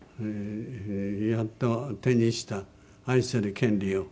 「やっと手にした愛する権利を」